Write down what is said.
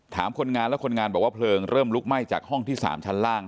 คนงานแล้วคนงานบอกว่าเพลิงเริ่มลุกไหม้จากห้องที่๓ชั้นล่าง